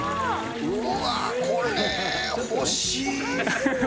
うわー、これ欲しい。